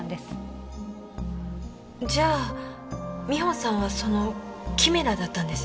じゃあ美帆さんはそのキメラだったんですね？